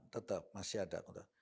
tetap masih ada